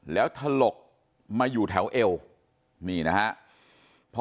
แล้วถลกมาอยู่แถวเอวนี่นะฮะพอ